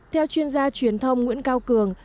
theo chuyên gia truyền thông nguyễn cao cường